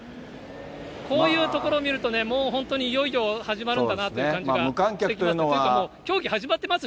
こういうところ見るとね、もう本当にいよいよ始まるんだなという感じがしてきます。